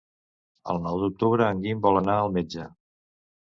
El nou d'octubre en Guim vol anar al metge.